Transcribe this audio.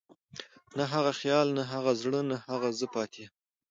نه هغه خيال، نه هغه زړه، نه هغه زه پاتې يم